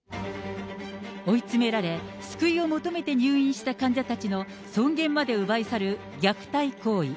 追い詰められ、救いを求めて入院した患者たちの尊厳まで奪い去る虐待行為。